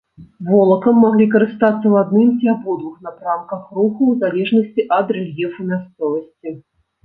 Волакам маглі карыстацца ў адным ці абодвух напрамках руху, у залежнасці ад рэльефу мясцовасці.